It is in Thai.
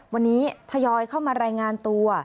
วันนี้ทยอยเข้ามารายงานตัว